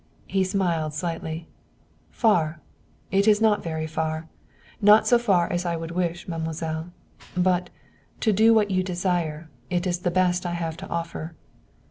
He smiled slightly. "Far! It is not very far. Not so far as I would wish, mademoiselle. But, to do what you desire, it is the best I have to offer."